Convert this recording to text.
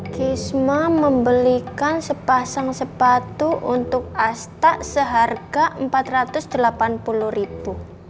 kisma membelikan sepasang sepatu untuk asta seharga rp empat ratus delapan puluh ribu